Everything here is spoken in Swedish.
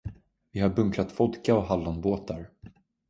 Vi har bunkrat vodka och hallonbåtar.